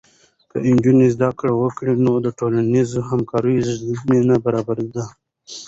که نجونې زده کړه وکړي، نو د ټولنیزې همکارۍ زمینه برابره ده.